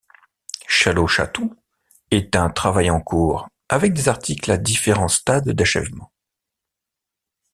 Chalo Chatu est un travail en cours, avec des articles à différents stades d'achèvement.